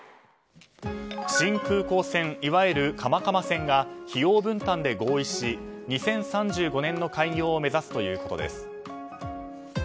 新空港線、いわゆる蒲蒲線が費用分担で合意し２０３５年の開業を目指すということです。